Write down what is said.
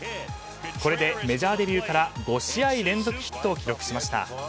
これでメジャーデビューから５試合連続ヒットを記録しました。